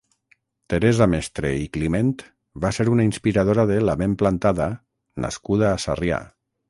Teresa Mestre i Climent va ser una inspiradora de "La Ben Plantada" nascuda a Sarrià.